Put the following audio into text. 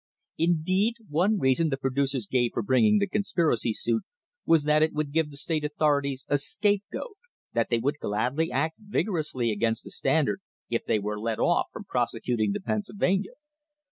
Indeed, one reason the producers gave for bringing the conspiracy suit was that it would give the state authorities a scapegoat; that they would gladly act vigorously against the Standard if they were let off from prosecuting the Pennsylvania.